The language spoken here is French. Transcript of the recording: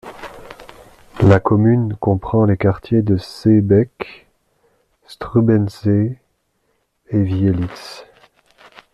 La commune comprend les quartiers de Seebeck, Strubensee et Vielitz.